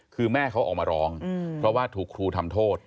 คือแม่เขาออกมาร้องเพราะว่าถูกครูทำโทษ